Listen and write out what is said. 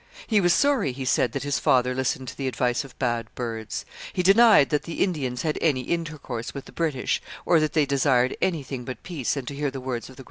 He was sorry, he said, that his father listened to the advice of bad birds. He denied that the Indians had any intercourse with the British, or that they desired anything but peace and to hear the words of the Great Spirit.